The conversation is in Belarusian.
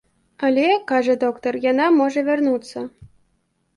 Але, кажа доктар, яна можа вярнуцца.